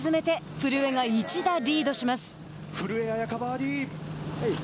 古江彩佳、バーディー。